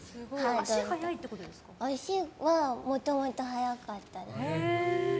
足はもともと速かったです。